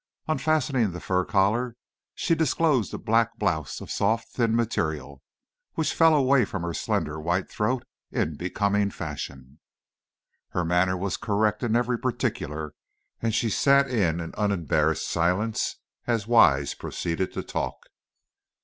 Unfastening the fur collar, she disclosed a black blouse of soft, thin material which fell away from her slender white throat in becoming fashion. Her manner was correct in every particular, and she sat in an unembarrassed silence as Wise proceeded to talk.